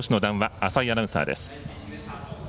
浅井アナウンサーです。